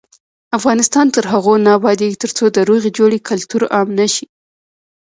افغانستان تر هغو نه ابادیږي، ترڅو د روغې جوړې کلتور عام نشي.